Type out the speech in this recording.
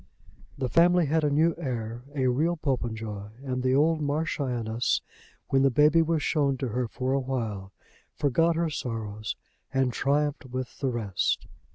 The family had a new heir, a real Popenjoy; and the old Marchioness when the baby was shown to her for awhile forgot her sorrows and triumphed with the rest.